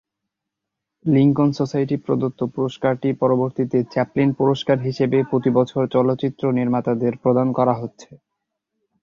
Lincoln society প্রদত্ত পুরস্কারটি পরবর্তীতে চ্যাপলিন পুরস্কার হিসেবে প্রতি বছর চলচ্চিত্র নির্মাতাদের প্রদান করা হচ্ছে।